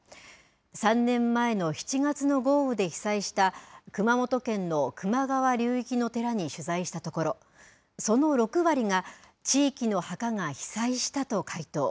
３年前の７月の豪雨で被災した熊本県の球磨川流域の寺に取材したところ、その６割が、地域の墓が被災したと回答。